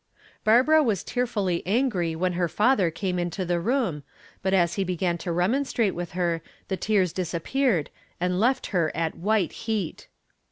Barbara was tearfully angry when her father came into the room, but as he began to remonstrate with her the tears disappeared and left her at white heat.